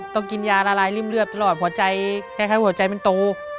ต้องกินยาละลายริ่มเลือดตลอดหัวใจคล้ายหัวใจมันโต